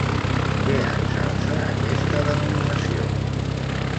Què exalça aquesta denominació?